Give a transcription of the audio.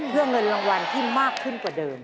เพื่อเงินรางวัลที่มากขึ้นกว่าเดิม